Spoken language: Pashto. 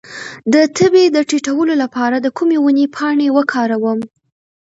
د تبې د ټیټولو لپاره د کومې ونې پاڼې وکاروم؟